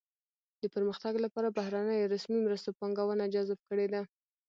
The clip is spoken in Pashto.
د پرمختګ لپاره بهرنیو رسمي مرستو پانګونه جذب کړې ده.